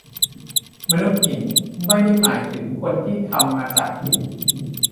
มนุษย์หิน ไม่ได้หมายถึงคนที่ทำมาจากหิน